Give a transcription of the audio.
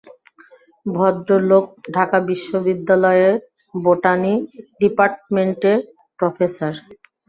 ভদ্রলোক ঢাকা বিশ্ববিদ্যালয়ের বোটানি ডিপার্টমেন্টের প্রফেসর।